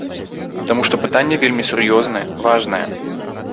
Таму што пытанне вельмі сур'ёзнае, важнае.